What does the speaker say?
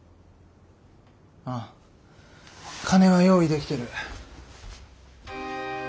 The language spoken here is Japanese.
ああ金は用意できてる。